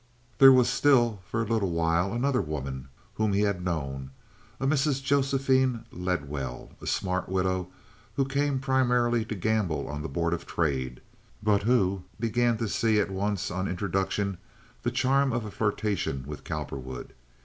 There was still, for a little while, another woman, whom he had known—a Mrs. Josephine Ledwell, a smart widow, who came primarily to gamble on the Board of Trade, but who began to see at once, on introduction, the charm of a flirtation with Cowperwood.